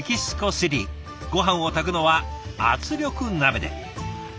ごはんを炊くのは圧力鍋で。